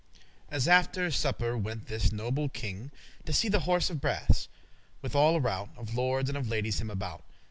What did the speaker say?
At after supper went this noble king To see the horse of brass, with all a rout Of lordes and of ladies him about.